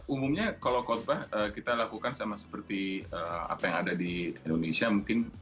umumnya kalau khutbah kita lakukan sama seperti apa yang ada di indonesia mungkin